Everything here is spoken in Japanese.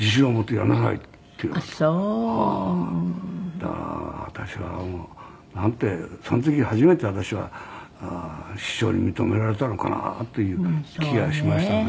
だから私はなんてその時初めて私は師匠に認められたのかなっていう気がしましたね。